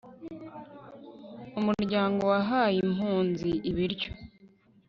umuryango wahaye impunzi ibiryo